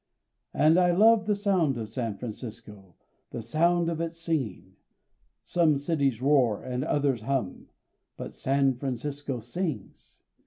And I love the sound of San Francisco, the sound of its singing some cities roar and others hum, but San Francisco sings.